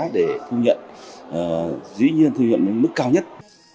để thu nhận dĩ nhiên thu nhận đến mức cao nhất